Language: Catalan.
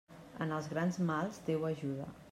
En els grans mals, Déu ajuda.